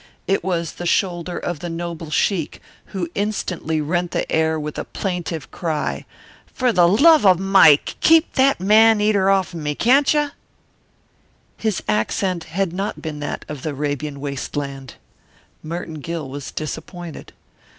It was the shoulder of the noble sheik, who instantly rent the air with a plaintive cry: "For the love of Mike! keep that man eater off'n me, can't you?" His accent had not been that of the Arabian waste land. Merton Gill was disappointed.